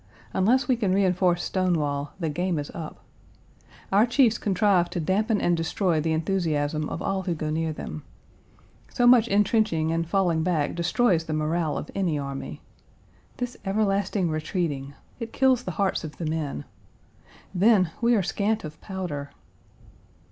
Unless we can reenforce Stonewall, the game is up. Our chiefs contrive to dampen and destroy the enthusiasm of all who go near them. So much entrenching and falling back destroys the morale of any army. This everlasting retreating, it kills the hearts of the men. Then we are scant of powder.